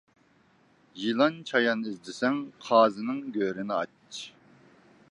يىلان-چايان ئىزدىسەڭ، قازىنىڭ گۆرىنى ئاچ.